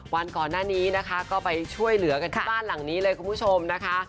วันก่อนหน้านี้นะคะก็ไปช่วยเหลือกันที่บ้านหลังนี้เลยคุณผู้ชมนะคะ